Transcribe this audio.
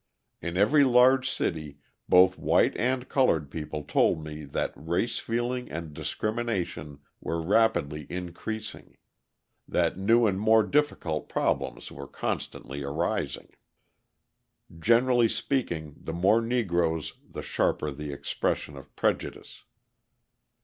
In every large city both white and coloured people told me that race feeling and discrimination were rapidly increasing: that new and more difficult problems were constantly arising. Generally speaking, the more Negroes the sharper the expression of prejudice.